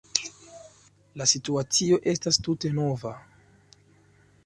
La situacio estas tute nova.